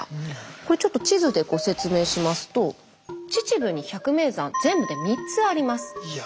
これちょっと地図でご説明しますと秩父に百名山全部で３つあります。